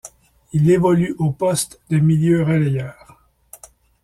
Il évolue au poste de milieu relayeur.